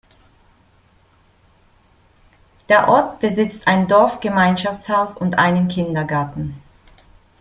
Der Ort besitzt ein Dorfgemeinschaftshaus und einen Kindergarten.